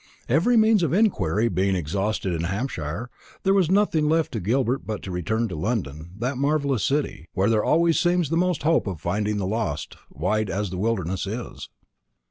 Every means of inquiry being exhausted in Hampshire, there was nothing left to Gilbert but to return to London that marvellous city, where there always seems the most hope of finding the lost, wide as the wilderness is.